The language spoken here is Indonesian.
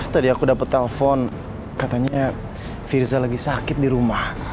tadi aku dapat telpon katanya firza lagi sakit di rumah